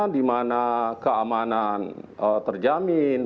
dimana keamanan terjamin